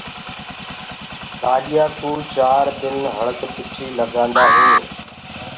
لآڏيآ ڪوُ چآر دن هݪد پِٺيٚ لگآندآ هينٚ۔